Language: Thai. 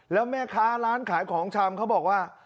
แล้วแม่ค้าร้านขายของชำเขาบอกว่า